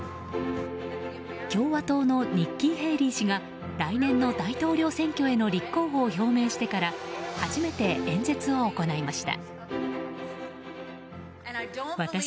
共和党のニッキー・ヘイリー氏が来年の大統領選挙への立候補を表明してから初めて演説を行いました。